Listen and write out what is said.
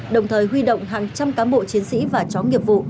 đồng thời huy động hàng trăm cám bộ chiến sĩ và chóng nghiệp vụ